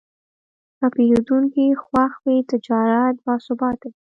که پیرودونکی خوښ وي، تجارت باثباته وي.